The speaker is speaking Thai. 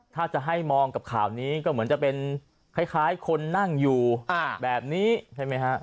ถ้าจะให้มองกับข่าวนี้ก็เหมือนจะเป็นคล้ายคนนั่งอยู่แบบนี้ใช่ไหมฮะ